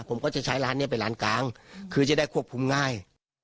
ผมก็จะใช้ร้านนี้เป็นร้านกลางคือจะได้ควบคุมง่าย